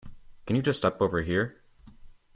Can you just step over here?